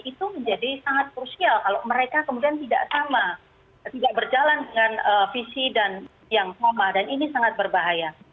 itu menjadi sangat krusial kalau mereka kemudian tidak sama tidak berjalan dengan visi dan yang sama dan ini sangat berbahaya